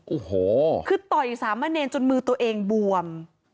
โอ้โหคือต่อยสามะเนรจนมือตัวเองบวม